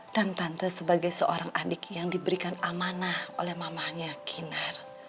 dan tante sebagai seorang adik yang diberikan amanah oleh mamanya kinar